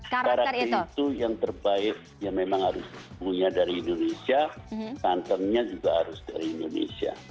karakter itu yang terbaik yang memang harus punya dari indonesia santannya juga harus dari indonesia